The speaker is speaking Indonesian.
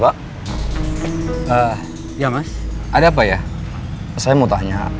bapak sama ibu punya keluarga yang dirawat disini